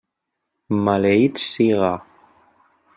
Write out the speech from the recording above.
Maleït siga!